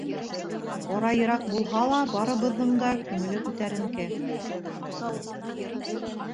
Ара йыраҡ булһа ла, барыбыҙҙың да күңеле күтәренке.